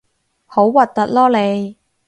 好核突囉你